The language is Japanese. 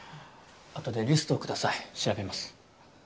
後でリストを下さい調べます。